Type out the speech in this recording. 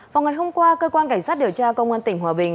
vào ngày hôm qua cơ quan cảnh sát điều tra công an tỉnh hòa bình